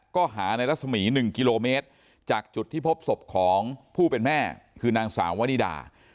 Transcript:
ก็หาในรัศมี๑กิโลเมตรจากจุดที่พบศพของผู้เป็นแม่คือนางสาววนิดา